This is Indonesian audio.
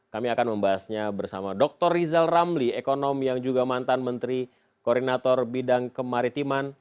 kami akan membahasnya bersama dr rizal ramli ekonom yang juga mantan menteri koordinator bidang kemaritiman